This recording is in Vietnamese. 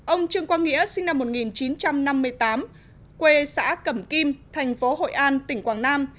ông trương quang nghĩa sinh năm một nghìn chín trăm năm mươi tám quê xã cẩm kim thành phố hội an tỉnh quảng nam